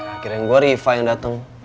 akhirnya gue rifa yang dateng